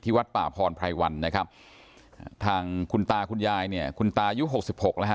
วัดป่าพรไพรวันนะครับทางคุณตาคุณยายเนี่ยคุณตายุหกสิบหกแล้วฮ